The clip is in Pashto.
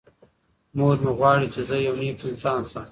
مور مې غواړي چې زه یو نېک انسان شم.